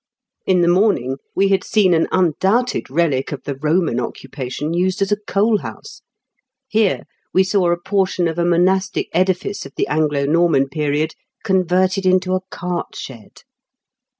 In the morning we had seen an undoubted relic of the Eoman occupation used afi a coal house ; here we saw a portion of a monastic edifice of the Anglo Norman period converted into a cart shed.